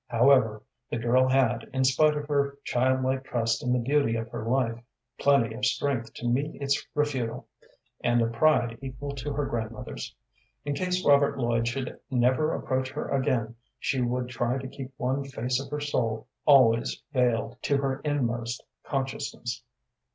However, the girl had, in spite of her childlike trust in the beauty of her life, plenty of strength to meet its refutal, and a pride equal to her grandmother's. In case Robert Lloyd should never approach her again, she would try to keep one face of her soul always veiled to her inmost consciousness.